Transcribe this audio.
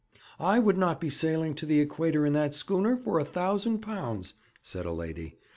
'I would not be sailing to the Equator in that schooner for a thousand pounds!' said a lady.